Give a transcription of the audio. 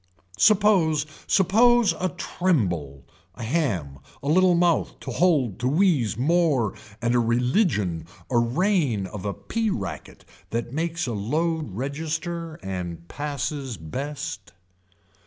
Suppose, suppose a tremble, a ham, a little mouth told to wheeze more and a religion a reign of a pea racket that makes a load register and passes best.